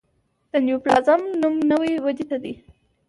د نیوپلازم نوم نوي ودې ته دی.